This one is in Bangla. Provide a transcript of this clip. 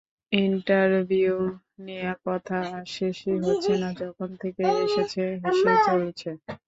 ইন্টারভিউ নিয়ে কথা আর শেষই হচ্ছে না যখন থেকে এসেছে, হেসেই চলেছে।